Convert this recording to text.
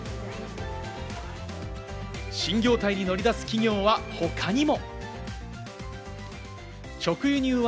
新業態に乗り出す企業は他にも。